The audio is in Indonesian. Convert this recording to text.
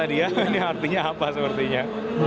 dia ini artinya apa sepertinya